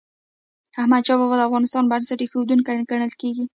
احمدشاه بابا د افغانستان بنسټ ايښودونکی ګڼل کېږي.